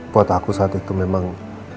buat aku saat itu memang